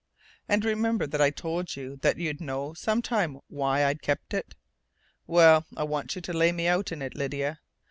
And remember that I told you that you'd know some time why I kept it? Well, I want you to lay me out in it, Lydia.